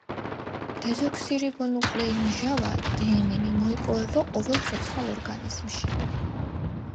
დეზოქსირიბონუკლეინმჟავა - დნმ მოიპოვება ყოველ ცოცხალ ორგანიზმში.